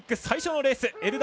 最初のレース。